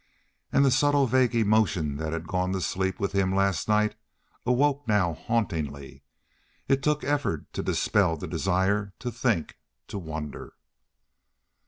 And the subtle vague emotion that had gone to sleep with him last night awoke now hauntingly. It took effort to dispel the desire to think, to wonder.